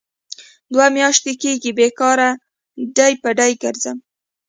دوه میاشې کېږي بې کاره ډۍ په ډۍ کرځم.